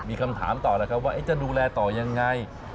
มีคำถามต่อแล้วครับว่าจะดูแลต่อยังไง